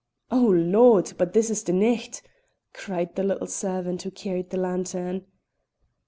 "O Lord! but this is the nicht!" cried the little servant who carried the lantern.